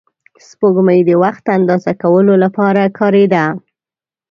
سپوږمۍ د وخت اندازه کولو لپاره کارېده